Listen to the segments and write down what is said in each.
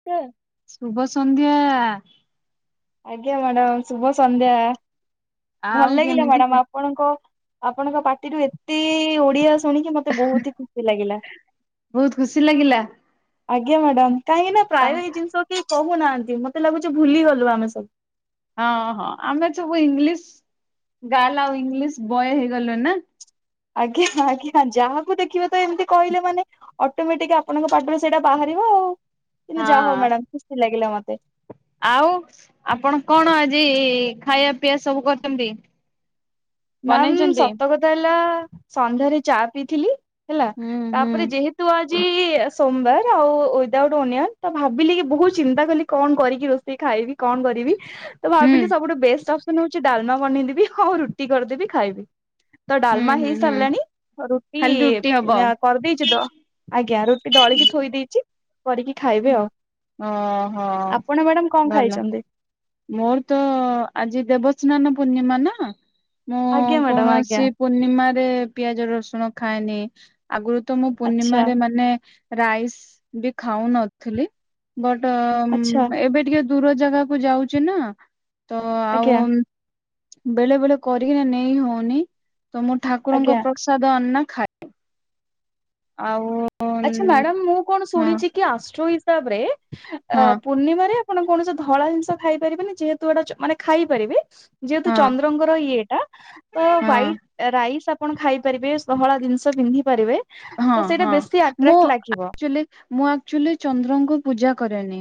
[unintelligible] ଶୁଭ ସନ୍ଧ୍ୟା। ଆଜ୍ଞା ମାଡ଼ାମ ଶୁଭ ସନ୍ଧ୍ୟା ଭଲ ଆଉ ଲାଗିଲା କେମିତି ମାଡାମ ଆ ପଣଙ୍କ ଆପଣଙ୍କ ପାଟିରୁ ଏତେ ଓଡିଆ ଶୁଣିକି ମତେ ବୋହୁତ ହି ଖୁସି ଲାଗିଲା। ବୋହୁତ ଖୁସି ଲାଗିଲା। ଆଜ୍ଞା ମାଡାମ କାହିଁକି ନା ତା ପ୍ରାୟ ଏଇ ଜିନିଷ କେହି କହୁନାହାନ୍ତି ମତେ ଲାଗୁଛି ଭୁଲି ଗଲୁ ଆମେ ସବୁ ହଁ ହଁ ଆମେ ସବୁ ଇଂଲିଶ ଗାଲ ଆଉ ଇଂଲିଶ ବୟ ହେଇଗଲୁଣି ନା ଆଜ୍ଞା ଆଜ୍ଞ ଯାହାକୁ ଦେଖିବ ତ ଏମିତି କହିଲେ ମାନେ ଅଟୋମେଟିକ ଆପଣଙ୍କ ପାଟରୁ ସେଇଟା ବାହାରିବ ଆଉ କିନ୍ତୁ ଯା ହଉ ହଁ। ମାଡାମ ଖୁସି ଲାଗିଲା ମତେ ଆଉ ଆପଣ କଣ ଆଜି ଖାଇବା ପିଆ ସବୁ କରିଛନ୍ତି। [inaudible] ମ୍ୟାମ୍ ବନେଇଛନ୍ତି? ସତ କଥା ହେଲା ସନ୍ଧ୍ୟାରେ ଚା ପିଇଥିଲି ହେଲା ହୁଁ ହୁଁ। ତାପରେ ଯେହେ ତୁ ଆଜି ସୋମବାର ଆଉ ୱିଦଆଉଟ ଓନିଅନ ତ ଭାବିଲି କି ବହୁତ ଚିନ୍ତା କଲି କଣ କରିକି ରୋଷ ଷେଇ ଖାଇବି କଣ କରିବି ତ ହୁଁ ଭାବିଲି ସବୁଠୁ ବେଷ୍ଟ ଅପ୍ସନ୍ ହଉଚି ଡାଲମା ବନେଇଦବି ହଉ ରୁ ଟି କରିଦେବି ଖାଇବି ତ ହୁଁ ଡାଲମା ହୁଁ ହୁଁ ହେଇସାରିଲାଣି ରୁଟି ଖାଲି ହବ ଉଁ ଆ କରିଦେଇଚୁ ତ ଆଜ୍ଞା ରୁଟି ଦଳିକି ଥୋଇ ଦେଇଚି। କରିକି ଖାଇବି ଆଉ ଓହୋ। ଆପଣ ମ୍ୟାଡ଼ାମ କଣ ଭଲ ଖାଇଚନ୍ତି। ମୋର ତ ଆଜି ଦେବସ୍ନାନ ପୂର୍ଣ୍ଣିମା ନା ମୁଁ ଆଜ୍ଞା ମ୍ୟାଡାମ ଆଜ୍ଞା କୌଣସି ପୂର୍ଣ୍ଣିମ ାରେ ପିଆଜ ରସୁଣ ଖାଏନି ଆଗରୁ ତ ମୁଁ ଆଚ୍ଛା ପୂର୍ଣ୍ଣିମାରେ ମାନେ ରାଇସ୍ ବି ଖାଉନଥିଲି ବଟ୍ ଆଚ୍ଛା ଏବେ ଟିକେ ଦୂର ଜାଗାକୁ ଯାଉଛି ନା ତ ଆଉ ଆଜ୍ଞା ବେଳେ ବେଳେ କରିକିନା ନେଇ ହଉନି ତ ମୁଁ ଆଜ୍ଞା ଠାକୁରଙ୍କ ପ୍ରସାଦ ଅନା ଖାଇଏ ଆଉ ଆଚ୍ଛା ମ୍ୟାଡାମ ମୁଁ କଣ ହଁ ଶୁଣିଛି କି ଆଷ୍ଟ୍ର ହିସାବରେ ହଁ ପୂର୍ଣ୍ଣିମାରେ ଆପଣ କୌଣସି ଧଳା ଜିନିଷ ଖାଇ ପାରିବେନି ଯେହେତୁ ଗଟା ମାନେ ଖାଇପାରିବେ। ଯେହେତୁ ହଁ ଚନ୍ଦ୍ରଙ୍କର ଇଏ ଟା ତ ହଁ। ହାଇଟ୍ ରାଇସ୍ ଆପଣ ଖାଇ ପାରିବେ ସହଳା ଜିନିଷ ପନ୍ଧି ପାରିବେ। ହଁ ତ ସେଇଟା ହଁ ବେଶୀ ମୁଁ ଆଟ୍ରାକ୍ଟ ଲାଗିବ ଆଚୁଲି ମୁଁ ଆକ୍ଚୁଆଲି ଚନ୍ଦ୍ରଙ୍କୁ ପୂଜା କରେନି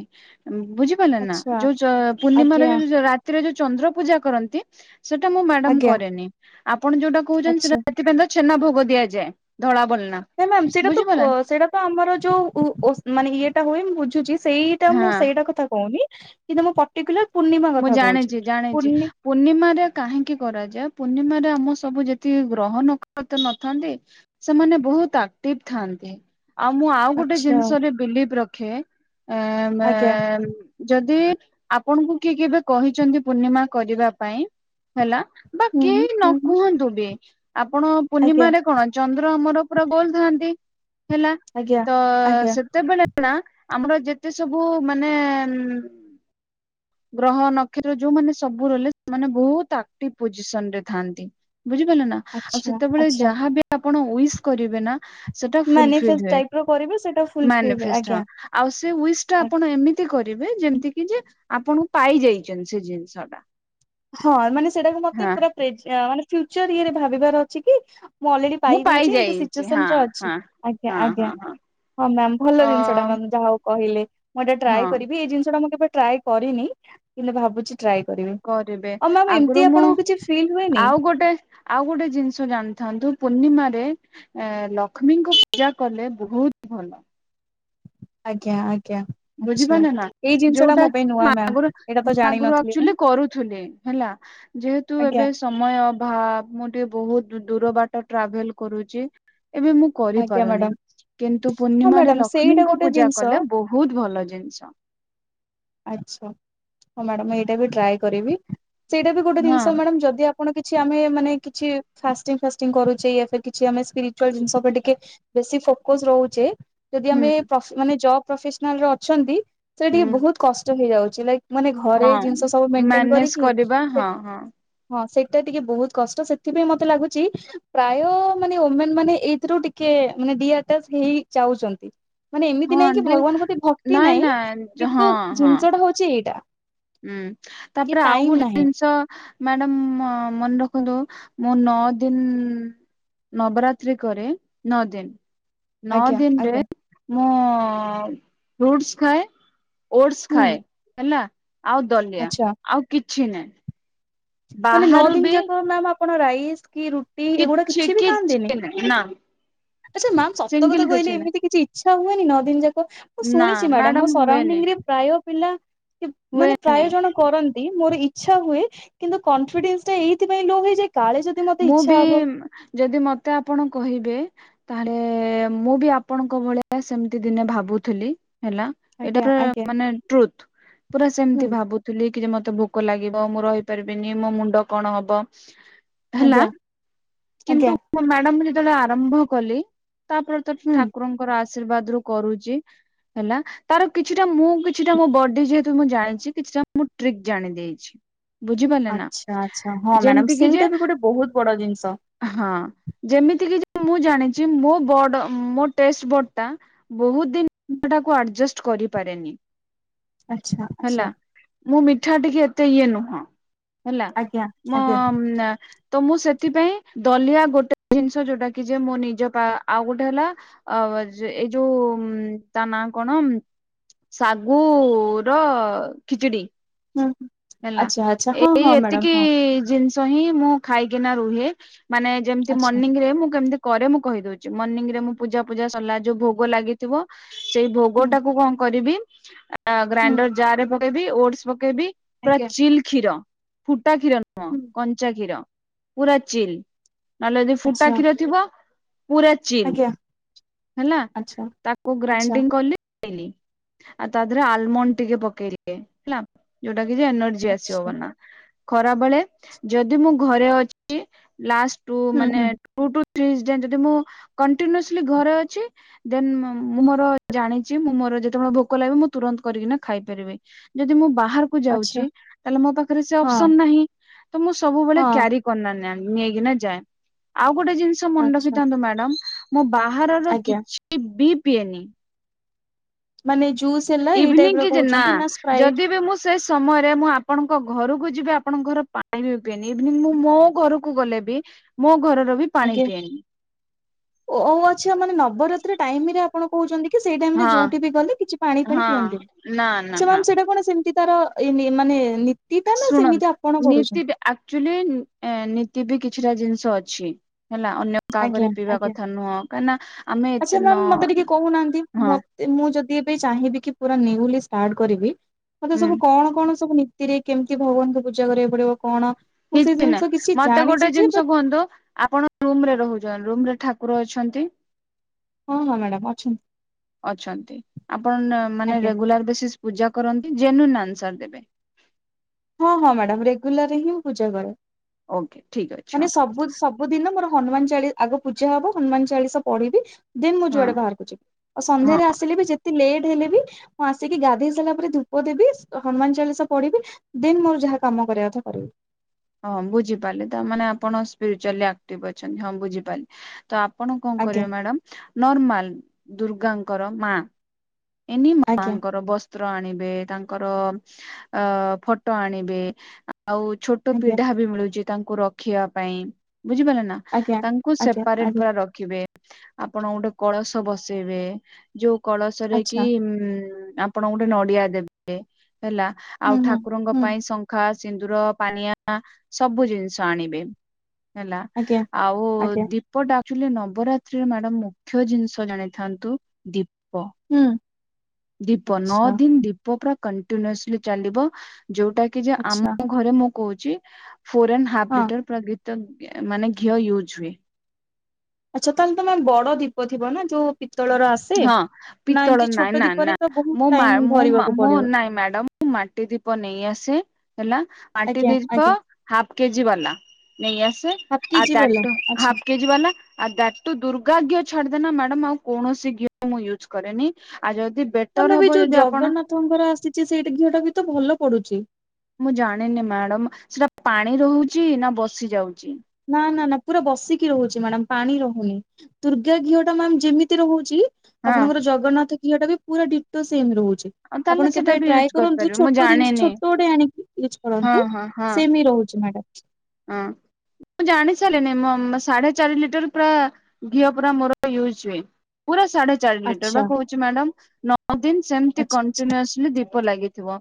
ବୁଝି ନା ଆଚ୍ଛା ଯୋଉ ପୂର୍ଣ୍ଣିମ ଆଜ୍ଞା ଯୋଉ ରାତିରେ ଯୋଉ ଚନ୍ଦ୍ର ପୂଜା କରନ୍ତି। ସେଇଟା ମୁଁ ମ୍ୟାଡାମ ଆଜ୍ଞା କରେନି ଆପଣ ଯୋଉଟା କହୁଛନ୍ତି ଆଚ୍ଛା। ସେଟା ସେଥିପାଇଁ ତ ଛେନା ଭୋଗ ଦିଆଯାଏ ଧଳା ବୋ ନା ମ ସେଇଟା ତ ସେଇଟା ତ ଆମର ଯୋଉ ମାନେ ଇଏଟା ହୁଏ ମୁଁ ବୁଝୁଛି ସେଇ ହଁ ମୁଁ ସେଇଟା କଥା କହୁନି କିନ୍ତୁ ମୁଁ ପର୍ଟିକୁଲାର ପୂର୍ଣ୍ଣିମା ମୁଁ କଥା ଜାଣିଛି ଜାଣିଛି କହୁଛି। ପୂର୍ଣ୍ଣିମାରେ କାହିଁକି କରାଯାଏ ପୂର୍ଣ୍ଣିମାରେ ଆମ ସବୁ ଯେତିକି ଗ୍ରହଣ ନଥାନ୍ତି। ସେମାନେ ବହୁତ ଆକ୍ଟିଭ ଥାଆନ୍ତି। ଆଉ ମୁଁ ଆଉ ଗୋଟେ ଆଚ୍ଛା ଜିନିଷରେ ବିଲିବ୍ ରଖେ ଏଁ ଆଜ୍ଞା ମେଁ ଯଦି ଆପଣଙ୍କୁ କିଏ କେବେ କହିଛନ୍ତି ପୂର୍ଣ୍ଣିମା କରିବା ପାଇଁ ହେଲା ବା ହୁଁ କେହି ହୁଁ ନ ହୁଁ ହୁଁ କୁହନ୍ତୁ ବି ଆପଣ ଆଜ୍ଞା। ପୂର୍ଣ୍ଣିମାରେ କଣ ଚନ୍ଦ୍ର ଆମର ପୁରା ଗୋଲ ଥାଆନ୍ତି ହେଲା ଆଜ୍ଞା ତ ଆଜ୍ଞା। ସେତେବେଳେ ଆମର ଯେତେ ସବୁ ମାନେ ଗ୍ରହ ନକ୍ଷତ୍ର ଯୋଉମାନେ ସବୁ ରହିଲେ ସେମାନେ ବହୁତ ଆକ୍ଟିଭ ପୋଜିସନରେ ଥାଆନ୍ତି। ବୁଝିପାଲେନା ଆଉ ଆଚ୍ଛା। ସେତେବେଳେ ଆଚ୍ଛା ଯାହାବି ଆପଣ ଉଇସ୍ କରିବେ ନା ସେଟା ଫୁଲଫିଲ୍ ମାନିଫେଷ୍ଟ ହୁଏ ଟାଇପ ର କରିବେ ସେଇଟା ଫୁଲଫିଲ ମ୍ୟାନିଫେଷ୍ଟ ଆଜ୍ଞା ହଁ। ଆଉ ସେ ଉଇସ୍ ଟା ଆପଣ ଏମିତି କରିବେ ଯେମିତି କି ଯେ ଆପଣଙ୍କୁ ପାଇ ଯାଇଛନ୍ତି ସେଇ ଜିନିଷଟା। ହଁ ମାନେ ସେଇଟାକୁ ମତେ ପୁର ପ୍ରେଜ୍ ଆ ମାନେ ଫ୍ୟୁଚର ଇଏରେ ଭାବିବାର ଅଛି କି ମୁଁ ଅଲରେଡି ମୁଁ ପାଇ ଦେଇଛି ଏମତି ପାଇଯାଇଛି ସିଚୁସନ୍ ହଁ ରେ ଅଛି ହଁ। ଆଜ୍ଞା ହଁ ହଁ ଆଜ୍ଞା। ହଁ ହଁ ମ୍ୟାମ ଭଲ ଅ ଜିନିଷଟା ମାମ୍ ଯାହା ହଉ କହିଲେ ମୁଁ ଏଇଟା ହଁ ଟ୍ରାଏ କରିବି ଏଇ ଜିନିଷଟା ମୁଁ କେବେ ଟ୍ରାଏ କରିନି କିନ୍ତୁ ଭାବୁଛି ଟ୍ରାଏ କରିବି। ରିବେ ଆଉ ମ୍ୟାମ ଏମିତି ଆଗରୁ ମୁଁ ଆପଣଙ୍କୁ କିଛି ଫିଲ୍ ହୁଏନି ଆଉ ଗୋଟେ ଆଉ ଗୋଟେ ଜିନିଷ ଜାଣିଥାନ୍ତୁ ପୂର୍ଣ୍ଣିମାରେ ଏ ଲକ୍ଷ୍ମୀଙ୍କ ପୂଜା କଲେ ବହୁତ ଭଲ। ଆଜ୍ଞା ଆଜ୍ଞା। ଆଚ୍ଛା। ବୁଝିପାଲେ ନା ଏଇ ଜିନିଷ ଟା ଯୋଉଟା ମୋ ପାଇଁ ନୂଆ ମ୍ୟାମ ଆରୁ ଏଇଟା ତ ଆଗୁରୁ ଜାଣିନଥିଲି ମୁଁ ଆକଚୁଆଲି କରୁଥୁଲେ ହେଲା। ଯେହେତୁ ଆଜ୍ଞା ଏବେ ସମୟ ଅଭାବ ମୁଁ ଟିକେ ବହୁତ ଦୁ ଦୂର ବାଟ ଟ୍ରାଭେଲ କରୁଛି ଏବେ ମୁଁ ଆଜ୍ଞା କରିପାରୁନି ମ୍ୟାଡାମ କିନ୍ତୁ ହଁ ପୂର୍ଣ୍ଣିମାରେ ମ୍ୟାଡାମ ସେଇଟା ଲକ୍ଷ୍ମୀଙ୍କ ଗୋଟେ ପୂଜା ଜିନିଷ କଲେ ବହୁତ ଭଲ ଜିନିଷ। ଆଚ୍ଛା ହଁ ମ୍ୟାଡ଼ାମ ଏଇଟା ବି ଟ୍ରାଏ କରିବି ସେଇଟା ବି ଗୋଟେ ହଁ ଜିନିଷ ମାଡ଼ାମ ଯଦି ଆ କଣ କିଛି ଆମେ ମାନେ କିଛି ଫାଷ୍ଟିଂ ଫାଷ୍ଟିଂ କରୁଛେ ସେ କିଛି ଆମେ ସ୍ପିରିଚୁଆଲ ଜିନିଷ ଉପ ଟି କେ ବେଶି ଫୋକସ ରହୁଛେ ଯଦି ହୁଁ। ଆମେ ପ୍ରଶ୍ ମାନେ ଜବ ପ୍ରଫେସନାଲରେ ଅଛନ୍ତି ସେଟା ଟିକେ ହୁଁ ବହୁତ କଷ୍ଟ ହେଇଯାଉଛି ଲାଇ ମାନେ ହଁ ଘରେ ଜିନିଷ ସବୁ ମେଣ୍ଟେନ ମ୍ୟାନେଜ କରିକି କରିବା ହଁ ହଁ। ହଁ ସେଟା ଟିକେ ବହୁତ କଷ୍ଟ ସେଥିପାଇଁ ମତେ ଲାଗୁଛି ପ୍ରାୟ ମାନେ ଓମେନ୍ ମାନେ ଏଇଥିରୁ ଟି କେ ମାନେ ଡିଆଟାଚ ହେଇ ଚାଉଛନ୍ତି। ମାନେ ଏମିତି ହଁ ନାଇଁକି ଦି ଭଗବାନ ପ୍ରତି ଭକ୍ତି ନାଇଁ କିନ୍ତୁ ଜିନିଷଟା ହଉଛି ଏଇଟା। ହୁଁ କି ତାପରେ ଆଉ ଟାଇମ ଗୋଟେ ନାହିଁ। ଜିନିଷ ମ୍ୟାଡାମ ମ ମନେ ରଖନ୍ତୁ ମୁଁ ନଅ ଦିନ୍ ନବରାତ୍ରି କରେ ନଅ ଦିନ। ନଅ ଆଜ୍ଞା ଦିନରେ ଆଜ୍ଞା। ମୁଁ ଫ୍ରୁଟସ ଖାଏ। ଓଟସ ହୁଁ ଖାଏ ହେଲା ଆଉ ଦଲିଆ ଆଚ୍ଛା ଆଉ କିଛି ନାଇଁ। ମାନେ ନଅ ଦିନ ଯାକ ମ୍ୟାମ ଆପଣ ରାଇସ୍ କି ରୁ ଟି ଏଗୁଡ଼ା କିଛି ବି ଖାଆନ୍ତିନି ଆଛା ମ୍ୟାମ ସତ କଥା କହିଲେ ଏମିତି କିଛି ଛା ହୁଏନି ନଅ ଦିନ ଯାକ ମୁଁ ନାହିଁ ନା ଶୁଣିଛି ମାଡ଼ାମ ମୋ ମ୍ୟାଡାମ ହୁଏନି ସରାଉଣ୍ଡିଂରେ ପ୍ରାୟ ପିଲା ମାନେ ହୁଏନି ପ୍ରାୟ ଜଣ କରନ୍ତି ମୋର ଇଚ୍ଛା ହୁଏ। କିନ୍ତୁ କନଫିଡେନ୍ସଟା ଏଇଥି ପାଇଁ ଲୋ ହେଇଯାଏ କାଳେ ଯଦି ମୋତେ ମୁଁ ବି ଇଚ୍ଛା ହବ। ଯଦି ମତେ ଆପଣ କହିବେ ତାହେଲେ ମୁଁ ବି ଆପଣଙ୍କ ଭଳିଆ ସେମିତି ଦିନେ ଭାବୁଥିଲି ହେଲା। ଆଜ୍ଞା ଏଇଟା ଆଜ୍ଞା। ମାନେ ଟ୍ରୁଥ ପୁରା ହୁଁ ସେମିତି ଭାବୁ ଥିଲି କି ଯେ ମତେ ଭୋକ ଲାଗିବ ମୁଁ ରହିପାରିବିନି ମୋ ମୁଣ୍ଡ କଣ ହବ। ହେଲା ଆଜ୍ଞା କିନ୍ତୁ ଆଜ୍ଞା ମ୍ୟାଡ଼ାମ ମୁଁ ଯେତେବେଳେ ଆରମ୍ଭ କଲି ତାପରେ ତ ହୁଁ। ଠାକୁରଙ୍କର ଆଶୀର୍ବାଦ ରୁ କରୁଛି ହେଲା। ତାର କିଛିଟା ମୁଁ କିଛିଟା ମୋ ବଡ଼ି ଯେହେତୁ ମୁଁ ଜାଣିଛି କିଛିଟା ମୁଁ ଟ୍ରିକ୍ ଜାଣି ଦେଇଛି। ବୁଝିପାରିଲେ ନା ଆଚ୍ଛା ଆଚ୍ଛା ହଁ ମ୍ୟାଡାମ ଯେମିତି କିି ଯେ ସେଇଟା ବି ଗୋଟେ ବହୁତ ବଡ଼ ଜିନିଷ। ହଁ ଯେମିତି କି ଯେ ମୁଁ ଜାଣିଛି ମୋ ବଡ଼ ମୋ ଟେଷ୍ଟବୋର୍ଡ଼ ଟା ବହୁତ ଦିନ ତାକୁ ଆଡଜଷ୍ଟ କରିପାରେନି। ଆଚ୍ଛା, ହେଲା ଆଚ୍ଛା। ମୁଁ ମିଠା ଟିକେ ଏତେ ଇଏ ନୁହଁ ହେଲା ଆଜ୍ଞା ମୋ ଆଜ୍ଞା ତ ମୁଁ ସେଥିପାଇଁ ଦଲିଆ ଗୋଟେ ଜିନିଷ ଯୋଉଟା କି ଯେ ମୋ ନିଜ ଆଉ ଗୋଟେ ହେଲା ଅ ଏଇ ଯୋଉ ତା ନାଁ କଣ? ଶାଗୁ ର ଖିଚୁଡି। ହୁଁ, ହୁଁ। ହେଲା ଏଇ ଏତିକି ଜିନିଷ ମୁଁ ଖାଇକିନା ରୁହେ ମାନେ ଯେମିତି ମୁଁ ଆଚ୍ଛା ମଣିଂରେ ମୁଁ କେମ୍ କରେ ମୁଁ କହିଦଉଛି ମର୍ଣ୍ଣିିଂ ରେ ମୁଁ ପୂଜା ପୂଜା ସରିଲା ଯୋଉ ଭୋଗ ଲାଗିଥିବ। ସେଇ ଭୋଗ ହୁଁ ଟାକୁ କଣ କରିବି ହୁଁ ଗ୍ରାଇଣ୍ଡର ଯାରେ ପ ପଳେଇବି ଓଡସ ପଳେଇବି ପୁରା ଆଜ୍ଞା ଚିଲ କ୍ଷୀର ଫୁଟା କ୍ଷୀର ନୁହଁ କଂ ହୁଁ କଞ୍ଚାକ୍ଷୀର ପୁରା ଚିଲ୍ ନହେଲେ ଯଦି ଫୁଟା ଆଚ୍ଛା କ୍ଷୀର ଥିବ ପୁରା ଚିଲ୍ ଆଜ୍ଞା ହେଲା ଆଚ୍ଛା ତାକୁ ଆଚ୍ଛା ଗ୍ରାଇଡିଙ୍ଗ କଲି। ପକେଇଲି ଆଉ ତାଦେହରେ ଆଲମଣ୍ଡ ଟିକେ ପକେଇଲି। [inaudible] କିଛି ଏନର୍ଜି ଆଚ୍ଛା ଆସିବବ ନା। ଖରାବେଳେ ଯଦି ମୁଁ ଘରେ ଅଛି ଲାଷ୍ଟ ଟୁ ହୁଁ ହୁଁ ମିନିଟ୍ ଟୁ ଟୁ ତ୍ରୀସ୍ ମୁଁ କଣ୍ଟିନିଅସ୍ଲି ଘରେ ଅଛି। ଦେନ୍ ମୁଁ ମୋର ଜାଣିଛି ମୁଁ ମୋର ଯେତେବେଳେ ଭୋକ ଲାଗିବ, ମୁଁ ତୁରନ୍ତ କରିକିନା ଖାଇପାରିବି। ଯଦି ମୁଁ ବାହାରକୁ ଆଚ୍ଛା ଯାଉଛି ତାହାଲେ ମୋ ପାଖରେ ସେ ହଁ ଅପସନ ନାହିଁ ତ ମୁଁ ସବୁବେଳେ ହଁ କ୍ୟାରି [inaudible] ନେଇକିନା ଯାଏ ଆଉ ଗୋଟେ ଜିନିଷ ମନେ ଆଚ୍ଛା ରଖିଥାନ୍ତୁ ମ୍ୟାଡାମ। ମୁଁ ବାହାରର ଆଜ୍ଞା କିଛି ବି ପିଏନି। ମାନେ ଜୁ ଇଭିନିଂ କି ଯେ ନା ଯଦି ବି ମୁଁ ସେ ସମୟରେ ମୁଁ ଆପଣଙ୍କ ଘରକୁ ଯିବି ଆପଣଙ୍କ ଘର ପାଣି ବି ପିଇନି ଇଭନି ମୁଁ ମୋ ଘରକୁ ଗଲେ ବି। ମୋ ଘରର ବି ପାଣି ଆଜ୍ଞା ପିଏନି। ଓ ଆଚ୍ଛା ମାନେ ନବରାତ୍ରି ଟାଇମରେ କଣ କହୁଛନ୍ତି କି ସେଇ ଟାଇମ ରେ ହଁ ଯୋଉଠି ବି ଗଲେ କିଛି ପାଣି ଫାଣି ହଁ ପିଅନ୍ତିନି, ନା ନା ଆଛା ନା ମାନେ ସେଟା କଣ ସେମି ତାର ଏ ମାନେ ନୀତି ଟା ନା ସେମିତି ଆପଣ କରୁଛନ୍ତି? ଆକ୍ ଚୁଆଲି ନୀତି ବି କିଛିଟା ଜିନିଷ ଅଛି ହେଲା ଅନ୍ୟ କାହାଘରେ ଆଜ୍ଞା ପିଇବା ଆଜ୍ଞା। କଥା ନୁହଁ କାହିଁକିନା ଆମେ ଆଚ୍ଛା ଏତେ ନ ମ୍ୟାାମ ମତେ ଟିକେ କହୁନାହାନ୍ତି ହଁ ମୋତେ ମୁଁ ଯଦି ଏବେ ଚାହିଁବି କି ପୁରା ନିୟୁଲି ଷ୍ଟାର୍ଟ କରିବି ମତେ ହୁଁ ସବୁ କଣ କଣ ସବୁ ନୀତି ରେ କେମିତି ଭଗବାନଙ୍କୁ ପୂଜା କରିବାକୁ ପଡିବ କଣ? ମୁଁ ସେଇ କିଛି ନା ଜିନିଷ କିଛି ମତେ ଜାଣିଛି ଗୋଟେ ଯେ ଜିନିଷ ବଟ୍ କୁହନ୍ତୁ ଆପଣ ରୁମ ରେ ରହୁଛ ରୁମରେ ଠାକୁର ଅଛନ୍ତି? ହଁ ହଁ ମ୍ୟାଡାମ ଅଛନ୍ତି ଅଛନ୍ତି ଆପଣ ମାନେ ଆଜ୍ଞା ରେଗୁଲାର ବେସିସ୍ ପୂଜା କରନ୍ତି ଜେନୁଇନ୍ ଆନ୍ସର ଦେବେ। ହଁ ହଁ ମ୍ୟାଡାମ ରେଗୁଲାର ହିଁ ପୂଜା କରେ ଓକେ ଠିକ ଅଛି ମାନେ ହଁ ସବୁ ସବୁ ସବୁ ଦିନ ମୋର ହନୁମାନ ଚାଳିଶା ଆଗ ପୂଜା ହବ ହନୁମାନ ଚାଳିଶା ପଢିବି ଦେନ ମୁଁ ହଁ ଯୁଆଡେ ବାହାରକୁ ଯିବି। ହଁ ସନ୍ଧ୍ୟାରେ ଆସିଲେ ବି ଯେତେ ଲେଟ୍ ହେଲେ ବି ମୁଁ ଆସିକି ଗାଧେଇ ସାରିଲା ପରେ ଧୂପ ଦେବି ହନୁମାନ ଚାଳିଶା ପଢିବି ଦେନ୍ ମୋର ଯାହା କାମ କରିବା କଥା କରିବି। ହଁ ବୁଝିପାରିଲି ତ ମାନେ ଆପଣ ସ୍ପିରିଚୁଆଲି ଆକ୍ଟିଭ ଅଛନ୍ତି ବୁଝିପାରିଲି। ତ ଆପଣ କଣ ଆଜ୍ଞା କରିବେ ମ୍ୟାଡାମ ନର୍ମାଲ ଦୁର୍ଗାଙ୍କର ମାଆ ଏନି ଆଜ୍ଞା ମାଙ୍କର ବ ତ୍ର ଆଣିବେ ତାଙ୍କର ଫଟୋ ଆଣିବେ ଆଉ ଛୋଟ ଆଜ୍ଞା। ପିଢା ବି ମିଳୁଛି ତାଙ୍କୁ ରଖିବା ପାଇଁ ବୁଝିପାରିଲେ ନା ଆଜ୍ଞା ତାଙ୍କୁ ଆଜ୍ଞା ସେପାରେଟ ଆଜ୍ଞା ପୁରା ରଖ ରଖିବେ ଆପଣ ଗୋଟେ କଳସ ବସେଇବେ ଯୋଉ କଳସରେ କି ଆଚ୍ଛା ଆପଣ ଗୋଟେ ନଡିଆ ଦେବେ ହେଲା ହୁଁ ଆଉ ହୁଁ ଠାକୁରଙ୍କ ହୁଁ ପାଇଁ ଶଙ୍ଖା ସିନ୍ଦୁର ପାନିଆ ସବୁ ଜିନିଷ ଆଣିବେ। ହେଲା ଆଜ୍ଞା ଆଉ ଆଜ୍ଞା ଦୀପ ଟା ଆକଚୁଆଲି ନବରାତ୍ରିରେ ମ୍ୟାଡାମ୍ ମୁଖ୍ୟ ଜିନିଷ ଜାଣିଥାନ୍ତୁ ଦୀପ। ହୁଁ। ଦୀପ ନଅ ଆଚ୍ଛା ଦିନ ଦୀପ ପୁରା କଣ୍ଟିନ୍ୟୁସଲି ଚାଲିବ ଯୋଉଟା କି ଯେ ଆଚ୍ଛା ଆମ ଘରେ ମୁଁ କହୁଛି ଫୋର୍ ଆନ୍ ହାଫ୍ ହଁ ଲିଟର ପୁରା ଘି ତ ମାନେ ଘିଅ ୟୁଜ୍ ହୁଏ। ଆଚ୍ଛା ତାହେଲେ ତମେ ବଡ ଦୀପ ଥିବ ନା ଯୋଉ ପିତଳର ଆସେ ହଁ ନା ପିତଳ ଏମିତି ନାଇଁ ଛୋଟ ନା ଦୀପରେ ନା ନା ତ ବହୁତ ମୁଁ ଟାଇମ ଭରିବାକୁ ମୁଁ ପଡିବ ନାଇଁ ମ୍ୟାଡମ୍ ମୁ ମାଟି ଦୀପ ନେଇ ଆସେ ହେଲା ମାଟି ଆଜ୍ଞା ଦୀପ ଆଜ୍ଞା ହାଫ କେଜି ବାଲା ନେଇ ଆସେ ହାପ୍ ଆ କେଜି ବାଲା ଦ୍ୟାଟୁ ଆଚ୍ଛା ହାଫ କେଜିି ବାଲା। ଆଉ ଦ୍ୟାଟୁ ଦୁର୍ଗା ଘିଅ ଛାଡି ଦେଲେ ମ୍ୟାଡାମ ଆଉ କୌଣସି ଘିଅ ମୁଁ ୟୁଜ୍ କରେନି ଆଉ ଯଦି ବେଟର ହବ ଯଦି ଆପଣ ଙ୍କର ଆସିଛି ସେଇଟା ଘିଅ ଟା ବି ତ ଭଲ ପଡୁଛି। ମୁଁ ଜାଣିନି ମ୍ୟାଡାମ ସେଟା ପାଣି ରହୁଛି ନା ବସି ଯାଉଛି? ନା ନା ନା ପୁରା ବସିକି ରହୁଛି ମ୍ୟାଡାମ ପାଣି ରହୁନି ଦୁର୍ଗା ଘିଅ ଟା ମ୍ୟାମ୍ ଯେମିତି ରହୁଛି ହଁ ଆପଣଙ୍କର ଜଗନ୍ନାଥ ଘିଅ ଟା ବି ପୁରା ଡିଟୋ ସେମ ରହୁଛି। ଆଉ ତାହେଲେ ଆପଣ ସେଟା କେବେ ବି ୟୁଜ ଟ୍ରାଏ କରନ୍ତୁ କରିପାରିବେ ମୁଁ ଛୋଟ ଜିନିଷ ଜାଣିନି ଛୋଟ ଗୋଟେ ଆଣିକି ୟୁଜ ହଁ କରନ୍ତୁ ହଁ ହଁ ସେମ୍ ହିଁ ରହୁଛି ମ୍ୟାଡ଼ାମ୍। ହଁ। ମୁଁ ଜାଣି ସାରିଲିନି ସାଢେ ଚାରି ଲିଟର ପୁରା ଘିଅ ପୁରା ମୋର ୟୁଜ ହୁଏ। ପୁରା ସାଢେ ଚାରି ଲିଟର ଆଚ୍ଛା ବା କହୁଛି ମ୍ୟାଡାମ୍ ନଅ ଦିନ ସେମତି ଆଚ୍ଛା ଆଚ୍ଛା କନ୍ଟିନୀଅସ୍ଲି ଦୀପ ଲାଗିଥିବ।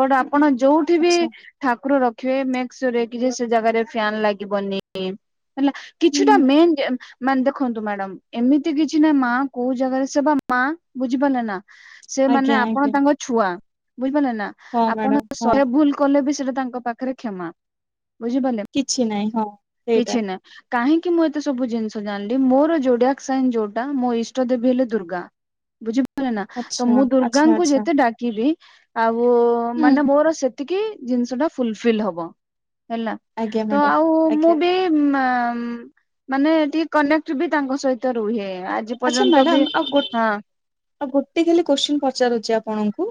ବଟ ଆପଣ ଯୋଉଠି ବି ଆଚ୍ଛା ଠାକୁର ରଖିବେ ମେକସିଓର କି ଜାଗାରେ ଫ୍ୟାନ ଲାଗିବନି ହେଲା ହୁଁ କିଛିଟା ହୁଁ। ମେନ୍ ମାନେ ଦେଖନ୍ତୁ ମ୍ୟାଡାମ ଏମିତି କିଛି ନା ମା କୋଉ ଜାଗାରେ ସେ ବା ମା ବୁଝିପାରିଲେ ନା ସେ ମାନେ ଆଜ୍ଞା ଆପଣ ଆଜ୍ଞା ତାଙ୍କ ଛୁଆ ବୁଝିପାରିଲେ ନା ହଁ ମ୍ୟାଡାମ ହଁ ଆପଣ ଭୁଲ କଲେ ବି ସେଟା ତାଙ୍କ ପାଖରେ କ୍ଷମା ବୁଝିପାରିଲେ କିଛି ନାହିଁ ହଁ ସେଇଟା। କିଛି ନାଇ। କାହିଁକି ମୁଁ ଏତେ ସବୁ ଜିନିଷ ଜାଣିଲି ମୋର ଯୋଡିଆକ୍ ସାଇନ ଯୋଉଟା ମୋ ଇଷ୍ଟ ଦେବୀ ହେଲେ ଦୁର୍ଗା। ବୁଝିପାରିଲେ ନା ତ ଆଚ୍ଛା ମୁଁ ଆଚ୍ଛା ଦୁର୍ଗାଙ୍କୁ ଆଚ୍ଛା ଯେତେ ଡା ଲି ଆଉ ହୁଁ ମାନେ ମୋର ସେତିକି ଜିନିଷ ଟା ଫୁଲଫିଲ୍ ହବ। ହେଲା ଆଜ୍ଞା ତ ମ୍ୟାଡାମ ଆଉ ମୁଁ ଆଜ୍ଞା ବି ମାନେ ଟିକେ କନେକ୍ଟ ବି ତାଙ୍କ ସହିତ ରୁହେ। ଆଚ୍ଛା ପର୍ଯ୍ୟନ୍ତ ବି ମ୍ୟାଡ଼ାାମ ଆଉ ଗୋଟ ହଁ ଆଉ ଗୋଟେ ଖାଲି କୋଶ୍ଚିନ ପଚାରୁଛି ଆପଣଙ୍କୁ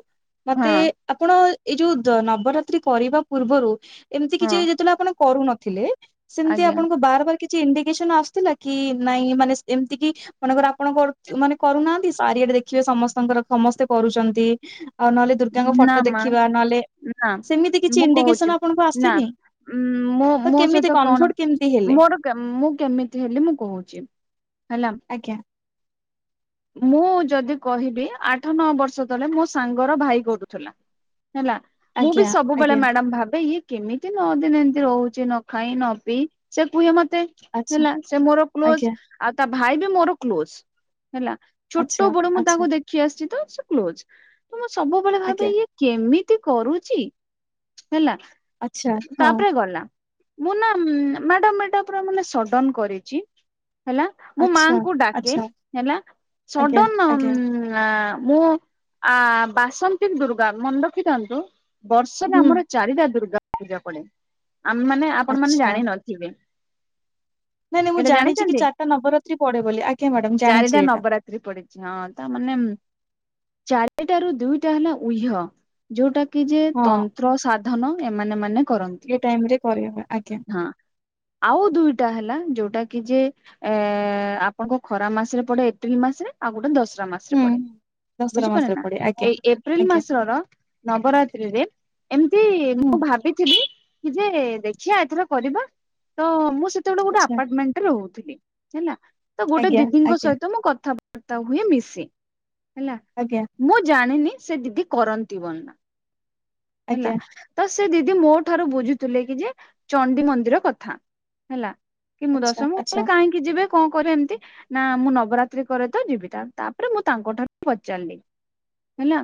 ହଁ ମତେ ଆପଣ ଏଇ ଯୋଉ ନବରାତ୍ରି କରିବା ପୂର୍ବରୁ ଏମିତି ହଁ କିଛି ଯେତେବେଳେ ଆପଣ କରୁନଥିଲେ ସେମତି ଆଜ୍ଞା ଆପଣଙ୍କୁ ବାର ବାର କିଛି ଇଣ୍ଡିକେସନ ଆସୁଥିଲା କି ନାଇଁ ମାନେ ଏମିତି କି ମନେକର ଆପଣ କରୁ ମାନେ କରୁନାହାନ୍ତି ଚ଼ାରିଆଡେ ଦେଖିବେ ସମସ୍ତଙ୍କର ସମସ୍ତେ କରୁଛନ୍ତି ଆଉ ନହେଲେ ଦୁର୍ଗାଙ୍କ ନା ଫଟୋ ମା ଦେଖିବା ନହେଲେ ନା ସେମିତି କିଛି ମୁଁ କହୁଛି ଇଣ୍ଡିକେସନ ଆପଣଙ୍କୁ ନା ଆସିନି ଉଁ ମୁଁ ତ ମୋ କେମିତି ସହିତ କଣ କନଭର୍ଟ କେମିତି ହେଲେ ମୋର ମୁଁ କେମିତି ହେଲି ମୁଁ କହୁଛି ହେଲା ଆଜ୍ଞା ମୁଁ ଯଦି କହିବି ଆଠ ନଅ ବର୍ଷ ତଳେ ମୋ ସାଙ୍ଗର ଭାଇ କରୁଥିଲା। ହେଲା। ମୁଁ ବି ଆଜ୍ଞା ସବୁବେଳେ ଆଜ୍ଞା ମ୍ୟାଡାମ ଭାବେ ଇଏ କେମିତି ନ ଦିନ ଏମିତି ରହୁଛି ନ ଖାଇ ନ ପିଇ ସେ କୁହେ ମତେ ଆଚ୍ଛା ହେଲା ସେ ମୋର କ୍ଲୋଜ ଆଜ୍ଞା ଆଉ ତା ଭାଇ ବି ମୋର କ୍ଲୋଜ ହେଲା ଛୋଟ ଆଚ୍ଛା ବେଳୁ ମୁଁ ଆଚ୍ଛା ତାଙ୍କୁ ଦେଖି ଆସିଛି ତ ସେ କ୍ଲୋଜ ତ ମୁଁ ସବୁବେଳେ ଭାବେ ଆଜ୍ଞା ଇଏ କେମିତି କରୁଛି ହେଲା ଆଚ୍ଛା ହଁ ତାପରେ ଗଲା ମୁଁ ନା ମ୍ୟାଡ଼ମ୍ ଏଇଟା ପୁରା ମାନେ ସଡନ କରିଛି। ହେଲା ମୁଁ ଆଚ୍ଛା ମାଙ୍କୁ ଡାକେ ଆଚ୍ଛା ହେଲା ଆଜ୍ଞା ସଡନ ଉଁ ଆଜ୍ଞା ନା ମୁଁ ଆ ବାସନ୍ତ ଦୁର୍ଗା ମନେ ରଖିଥାନ୍ତୁ ବର୍ଷରେ ହୁଁ ଆମର ଚାରିଟା ଦୁର୍ଗା ପୂଜା ପଡେ ଆମେମାନେ ଆପଣ ମାନେ ଆଚ୍ଛା। ଜାଣିନ ଥିବେ ନାଇଁ ନାଇ ମୁଁ ଜାଣିଛି କି ଚାରଟା ନବରାତ୍ରି ପଡ଼େ ବୋଲି ଆଜ୍ଞା ମ୍ୟାଡାମ ଜାଣିଛି ଚାରିଟା ଏଇଟା ନବରାତ୍ ପଡିଛି ହଁ ତା ମାନେ ଚାରିଟାରୁ ଦୁଇଟା ହେଲା ଉଇହ ଯୋଉଟା କି ଯେ ହଁ। ତନ୍ତ୍ର ସାଧନ ଏମାନେ ମାନେ କରନ୍ତି। ଟାଇମରେ କରିହବ ଆଜ୍ଞା ହଁ ଆଉ ଦୁଇଟା ହେଲା ଯୋଉଟା କି ଯେ ଏ ଏ ଆପଣଙ୍କ ଖରା ମାସରେ ପଡେ ଏପ୍ରିଲ ମାସରେ ଆଉ ଗୋଟେ ଦଶରା ହୁଁ ମାସରେ ହୁଁ ପଡେ। ଦଶରା ବୁଝିପାରିଲ ମାସରେ ନା ପଡେ ଆଜ୍ଞା। ଏଇ ଏପ୍ରିଲ ଆଜ୍ଞା ମାସର ନବରାତ୍ରିରେ ଏମିତି ହୁଁ ମୁଁ ଭାବିଥିଲି କି ଯେ ଦେଖିବା ଏଥର କରିବା ତ ମୁଁ ସେତେବେଳେ ଗୋଟେ ଆଚ୍ଛା ଆପାର୍ଟମେଣ୍ଟରେ ରହୁଥିଲି। ହେଲା ତ ଗୋଟେ ଆଜ୍ଞା ଦିଦିଙ୍କ ଆଜ୍ଞା ସହିତ ମୁଁ କଥାବାର୍ତ୍ତା ହୁଏ ମିଶେ ହେଲା ଆଜ୍ଞା। ମୁଁ ଜାଣିନି ସେ ଦିଦି କରନ୍ତି ବର୍ଣ୍ଣନା ହେଲା ଆଜ୍ଞା ତ ସେ ଦିଦି ମୋ ଠାରୁ ବୁଝୁଥିଲେ କି ଯେ ଚଣ୍ଡି ମନ୍ଦିର କଥା ହେଲା କି ମୁଁ ଆଚ୍ଛା ଦଶମ ଆଚ୍ଛା। କଲେ କାହିଁକି ଯିବେ କଣ କରରେ ଏମତି ନା ମୁଁ ନବରାତ୍ରି କରେ ତ ଯିବି ତା ତାପରେ ମୁଁ ତାଙ୍କଠାରୁ ପଚାରିଲି ହେଲା